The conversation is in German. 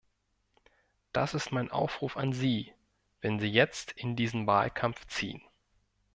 Das ist mein Aufruf an Sie, wenn Sie jetzt in diesen Wahlkampf ziehen.